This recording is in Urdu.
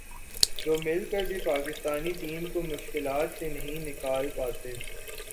جو مل کر بھی پاکستانی ٹیم کو مشکلات سے نہیں نکال پاتے